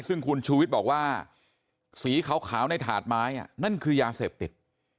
ซึ่งคุณชูวิทย์บอกว่าสีขาวในถาดไม้นั่นคือยาเสพติด